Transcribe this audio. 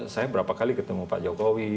saya berapa kali ketemu pak jokowi